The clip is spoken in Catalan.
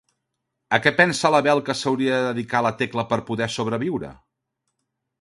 A què pensa la Bel que s'hauria de dedicar la Tecla per poder sobreviure?